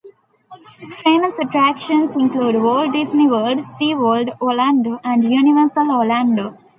Famous attractions include Walt Disney World, SeaWorld Orlando and Universal Orlando.